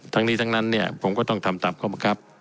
ทั้งนี้ทั้งนั้นเนี่ยผมก็ต้องทำตามข้อบังคับ